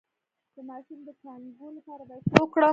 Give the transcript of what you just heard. د ماشوم د کانګو لپاره باید څه وکړم؟